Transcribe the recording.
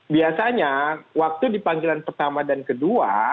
biasanya waktu dipanggilan pertama dan kedua